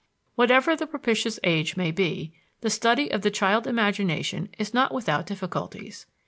Whatever the propitious age may be, the study of the child imagination is not without difficulties.